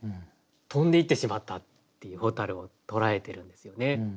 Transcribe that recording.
飛んでいってしまったっていう蛍を捉えてるんですよね。